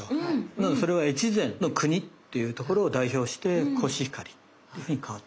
なのでそれは越前の国っていうところを代表してコシヒカリっていうふうに変わっています。